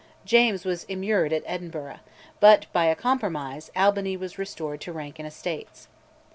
James was immured at Edinburgh, but, by a compromise, Albany was restored to rank and estates.